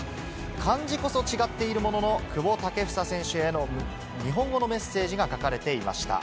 漢字こそ違っているものの、久保建英選手への日本語のメッセージが書かれていました。